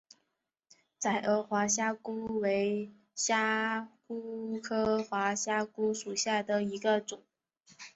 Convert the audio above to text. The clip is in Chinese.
窄额滑虾蛄为虾蛄科滑虾蛄属下的一个种。